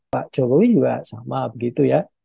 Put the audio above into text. pak jokowi juga sama begitu ya